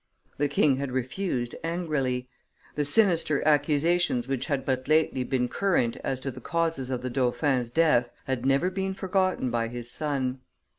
The king had refused angrily. The sinister accusations which had but lately been current as to the causes of the dauphin's death had never been forgotten by his son.